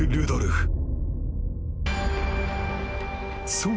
［そう。